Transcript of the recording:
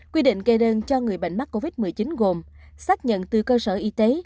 quy định gây đơn cho người bệnh mắc covid một mươi chín gồm xác nhận từ cơ sở y tế